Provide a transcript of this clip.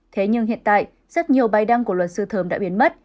thế nhưng hiện tại rất nhiều bài đăng của luật sư thớm đã biến mất